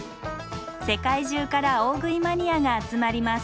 世界中から大食いマニアが集まります。